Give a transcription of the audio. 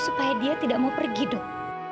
supaya dia tidak mau pergi dong